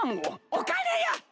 お金よ！